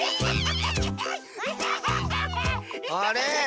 あれ？